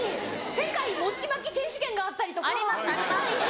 世界餅まき選手権があったりとかはい。